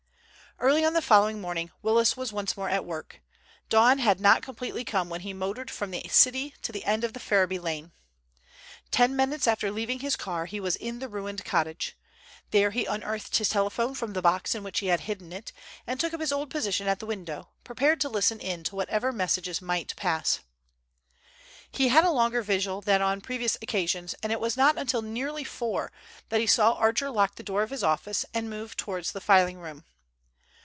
Early on the following morning Willis was once more at work. Dawn had not completely come when he motored from the city to the end of the Ferriby lane. Ten minutes after leaving his car he was in the ruined cottage. There he unearthed his telephone from the box in which he had hidden it, and took up his old position at the window, prepared to listen in to whatever messages might pass. He had a longer vigil than on previous occasions, and it was not until nearly four that he saw Archer lock the door of his office and move towards the filing room.